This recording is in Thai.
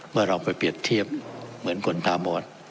เราไปเปรียบเทียบเหมือนคนตาบอด